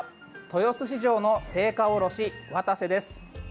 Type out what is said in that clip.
豊洲市場の青果卸、渡瀬です。